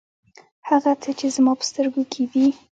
هغه څه چې زما په سترګو کې دي.